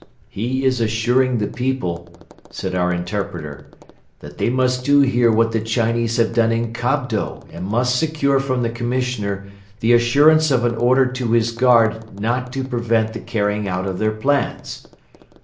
"He is assuring the people," said our interpreter, "that they must do here what the Chinese have done in Kobdo and must secure from the Commissioner the assurance of an order to his guard not to prevent the carrying out of their plans.